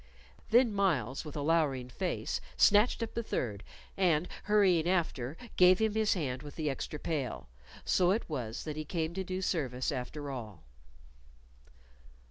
Then Myles, with a lowering face, snatched up the third, and, hurrying after, gave him his hand with the extra pail. So it was that he came to do service, after all.